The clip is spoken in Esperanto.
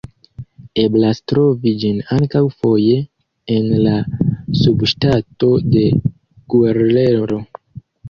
Eblas trovi ĝin ankaŭ foje en la subŝtato de Guerrero.